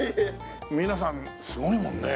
皆さんすごいもんね。